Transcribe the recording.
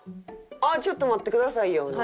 「あっちょっと待ってくださいよ」の。